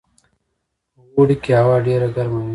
په اوړي کې هوا ډیره ګرمه وي